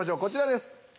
こちらです。